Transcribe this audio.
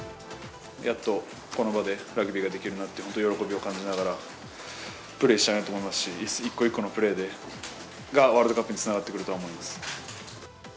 やっとこの場でラグビーができるなって、本当、喜びを感じながら、プレーしたいなと思いますし、一個一個のプレーがワールドカップにつながってくるとは思います。